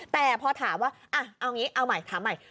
แต่พอถามว่าเอางี้เอาใหม่ถามใหม่